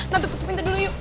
nah tutup pintu dulu yuk